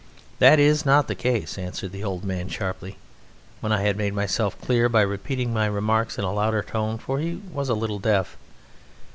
"That is not the case," answered the old man sharply, when I had made myself clear by repeating my remarks in a louder tone, for he was a little deaf.